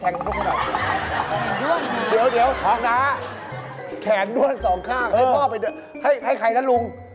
ห้องหนาแขนนวน๒ข้างที่พ่อไปเท่านั้นลุง